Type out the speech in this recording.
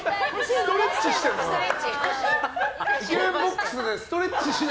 ストレッチしてるのかな？